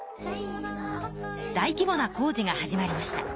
大規ぼな工事が始まりました。